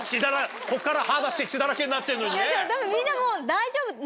こっから歯出して血だらけになってんのにね。